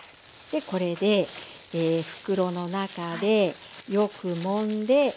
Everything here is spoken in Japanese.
でこれで袋の中でよくもんで漬けます。